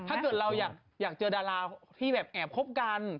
ถ้าเกิดเราอยากเจอดาราที่แบบแอบคบกัน